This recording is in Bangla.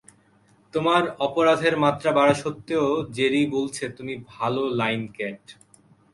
তোমার অপরাধের মাত্রা বাড়া স্বত্ত্বেও, জেরি বলছে তুমি ভালো লাইন ক্যাট।